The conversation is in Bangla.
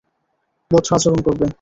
ভদ্র আচরণ করবে!